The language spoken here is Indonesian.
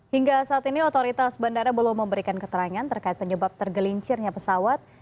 hingga saat ini otoritas bandara belum memberikan keterangan terkait penyebab tergelincirnya pesawat